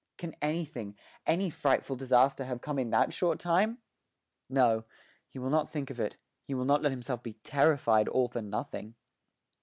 Can anything any frightful disaster have come in that short time? No, he will not think of it; he will not let himself be terrified, all for nothing.